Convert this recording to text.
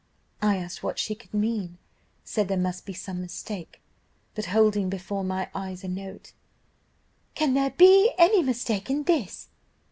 I asked what she could mean, said there must be some mistake. But holding before my eyes a note, 'Can there be any mistake in this?